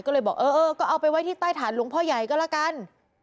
ก็เลยบอกเออก็เอาไปไว้ที่ใต้ฐานหลวงพ่อใหญ่ก็แล้วกัน